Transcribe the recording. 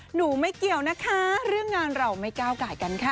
หนูไม่เกี่ยวนะคะเรื่องงานเราไม่ก้าวไก่กันค่ะ